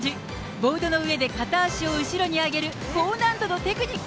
ボードの上で片足を後ろに上げる高難度のテクニック。